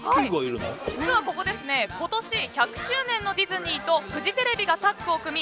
実はここ今年１００周年のディズニーとフジテレビがタッグを組み